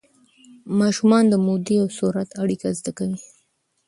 ماشومان د مودې او سرعت اړیکه زده کوي.